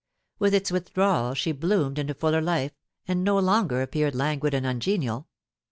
With its withdrawal she bloomed into fuller life, and no longer appeared languid and ungenial.